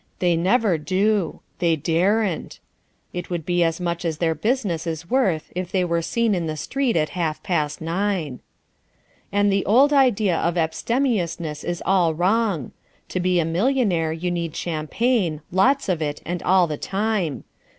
They never do. They daren't. It would be as much as their business is worth if they were seen on the street at half past nine. And the old idea of abstemiousness is all wrong. To be a millionaire you need champagne, lots of it and all the time.